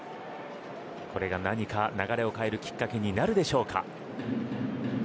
これが何か流れを変えるきっかけになるでしょうか。